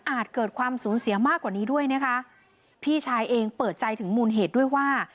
เกิดความสูญเสียมากกว่านี้ด้วยนะคะพี่ชายเองเปิดใจถึงมูลเหตุด้วยว่า